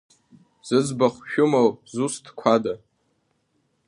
Зыӡбахә шәымоу зусҭқәада?